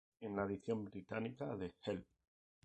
En la edición británica de "Help!